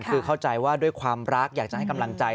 คือเข้าใจว่าด้วยความรักอยากจะให้กำลังใจ